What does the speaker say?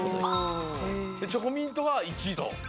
チョコミントは１いだ。